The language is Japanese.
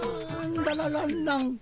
ララランラン。